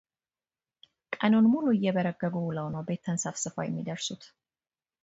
ቀኑን ሙሉ እየበረገጉ ውለው ነው ቤት ተንሰፍስፈው የሚደርሱት።